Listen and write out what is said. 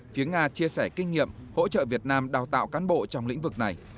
phía nga chia sẻ kinh nghiệm hỗ trợ việt nam đào tạo cán bộ trong lĩnh vực này